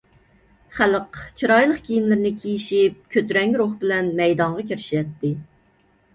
خەلق چىرايلىق كىيىملىرىنى كىيىشىپ كۆتۈرەڭگۈ روھ بىلەن مەيدانغا كىرىشەتتى.